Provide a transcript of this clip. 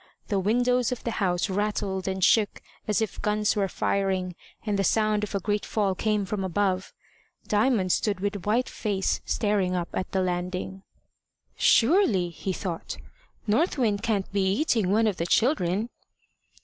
The windows of the house rattled and shook as if guns were firing, and the sound of a great fall came from above. Diamond stood with white face staring up at the landing. "Surely," he thought, "North Wind can't be eating one of the children!"